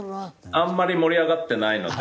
あんまり盛り上がってないので。